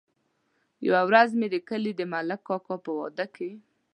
يوه ورځ مې د کلي د ملک کاکا په واده کې.